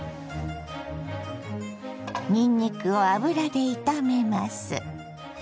にんにくを油で炒めます。